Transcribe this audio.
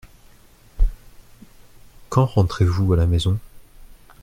Quand rentrez-vous à la maison ?